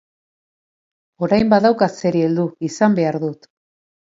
Orain badaukat zeri heldu, izan behar dut.